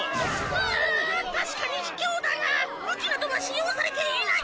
うん確かに卑怯だが武器などは使用されていない。